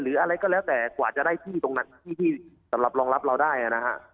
อะไรก็แล้วแต่กว่าจะได้ที่ตรงนั้นที่ที่สำหรับรองรับเราได้นะฮะ